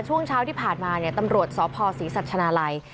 ช่วงเช้าที่ผ่านมาเนี่ยตำรวจสพศรีสัชนาลัย